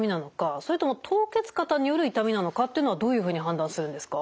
それとも凍結肩による痛みなのかっていうのはどういうふうに判断するんですか？